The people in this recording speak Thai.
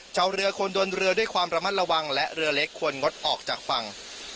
ชาวเรือควรเดินเรือด้วยความระมัดระวังและเรือเล็กควรงดออกจากฝั่ง